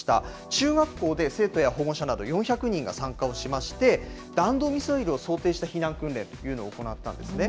中学校で生徒や保護者など４００人が参加をしまして、弾道ミサイルを想定した避難訓練というのを行ったんですね。